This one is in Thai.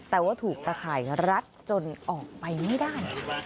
แต่ว่าถูกตะข่ายรัดจนออกไปไม่ได้